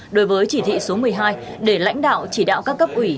đối với chỉ thị số một mươi hai để lãnh đạo chỉ đạo các cấp ủy